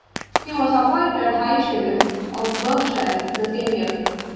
He was appointed High Sheriff of Berkshire the same year.